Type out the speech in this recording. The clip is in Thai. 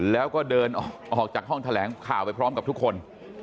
แล้วก็เดินออกจากห้องแถลงข่าวไปพร้อมกับทุกคน